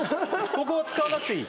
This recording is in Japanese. ここは使わなくていい？